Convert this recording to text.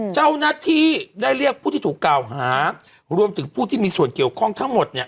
เจ้าหน้าที่ได้เรียกผู้ที่ถูกกล่าวหารวมถึงผู้ที่มีส่วนเกี่ยวข้องทั้งหมดเนี่ย